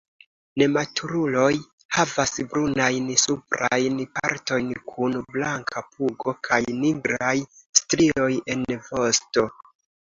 Nematuruloj havas brunajn suprajn partojn, kun blanka pugo kaj nigraj strioj en vosto.